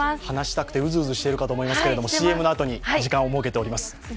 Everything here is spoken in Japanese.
話したくてうずうずしているかと思いますけれども、ＣＭのあとに時間を設けております。